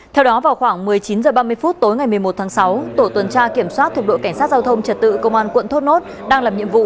theo đó vào khoảng một mươi chín h ba mươi phút tối ngày một mươi một tháng sáu tổ tuần tra kiểm soát thuộc đội cảnh sát giao thông trật tự công an quận thốt nốt đang làm nhiệm vụ